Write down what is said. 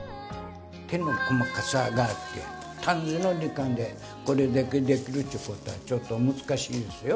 手の細かさがあって短時の時間でこれだけできるっちゅう事はちょっと難しいですよ。